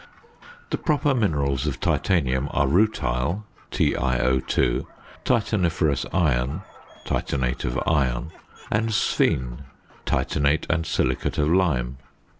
The proper minerals of titanium are rutile (TiO_), titaniferous iron (titanate of iron), and sphene (titanate and silicate of lime).